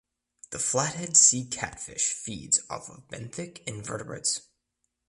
The flathead sea catfish feeds off of benthic invertebrates.